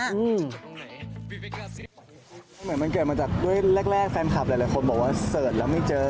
เหมือนมันเกิดมาจากด้วยแรกแฟนคลับหลายคนบอกว่าเสิร์ชแล้วไม่เจอ